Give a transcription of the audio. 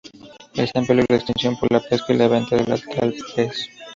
Está en peligro de extinción por la pesca y la venta de tal pez.